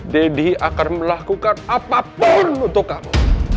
deddy akan melakukan apapun untuk kamu